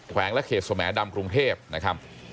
วงและเขตสแหมดำกรุงเทพนะครับ